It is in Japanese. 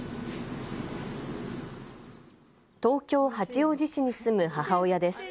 東京八王子市に住む母親です。